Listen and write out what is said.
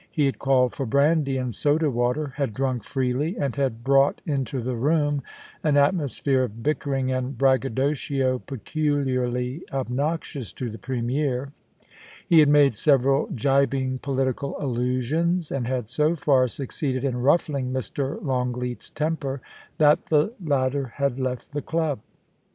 He had called for brandy and soda water, had drunk freely, and had brought into the room an atmosphere of bickering and braggadocio peculiarly obnoxious to the Premier. He had made several gibing political allusions, and had so far succeeded in niflling Mr. Longleat's temper that the latter HERCULES AND OMPHALE, 97 had left the club.